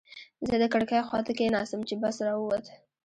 زه د کړکۍ خواته کېناستم چې بس را ووت.